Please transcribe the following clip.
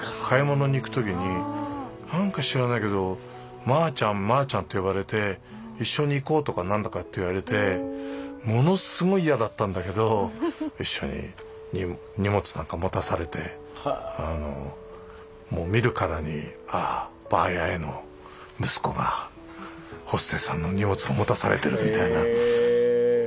買い物に行く時になんか知らないけど「まちゃんまちゃん」って呼ばれて一緒に行こうとか何だかって言われてものすごい嫌だったんだけど一緒に荷物なんか持たされてもう見るからに「ああＢＡＲやえの息子がホステスさんの荷物を持たされてる」みたいな。